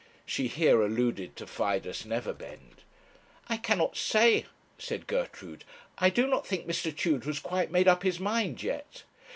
She here alluded to Fidus Neverbend. 'I cannot say,' said Gertrude. 'I do not think Mr. Tudor has quite made up his mind yet.'